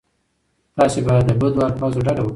تاسې باید له بدو الفاظو ډډه وکړئ.